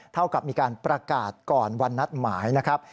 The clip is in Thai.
เท่ากับมีการประกาศก่อนวันนัดหมายนะครับ